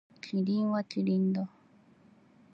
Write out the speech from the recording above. キリンはキリンだ。